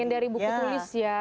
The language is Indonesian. yang dari buku tulis ya